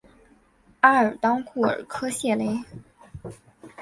阿尔当库尔科谢雷。